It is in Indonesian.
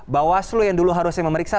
bawaslu yang dulu harusnya memeriksa